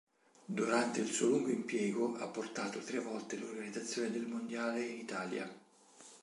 Durante il suo lungo impiego ha portato tre volte l'organizzazione del Mondiale in Italia.